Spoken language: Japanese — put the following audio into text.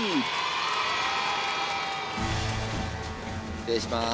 失礼します。